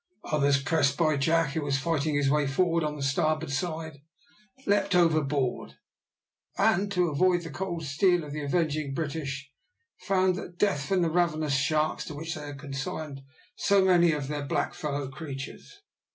Others, pressed by Jack, who was fighting his way forward on the starboard side, leaped overboard, and, to avoid the cold steel of the avenging British, found that death from the ravenous sharks to which they had consigned so many of their black fellow creatures.